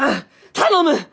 頼む！